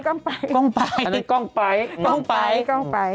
กล้องไฮฟกล้องไฮฟกล้องไฮฟกล้องไฮฟอันนี้กล้องไฮฟกล้องไฮฟ